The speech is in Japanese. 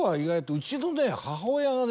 うちのね母親がね